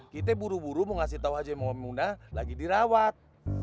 kita buru buru mau ngasih tau haja maimunah lagi dirawat